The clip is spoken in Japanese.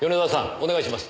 お願いします。